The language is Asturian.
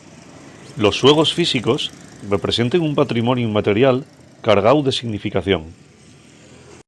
Los xuegos físicos representen un patrimoniu inmaterial cargáu de significación.